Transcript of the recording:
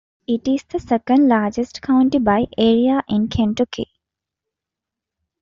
It is the second-largest county by area in Kentucky.